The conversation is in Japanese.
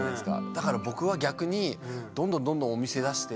だから僕は逆にどんどんどんどんお店出して。